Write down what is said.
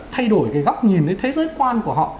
thay đổi cái góc nhìn đến thế giới quan của họ